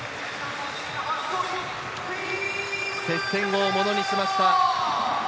接戦をものにしました。